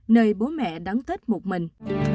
nơi bố mẹ đắng tết một mình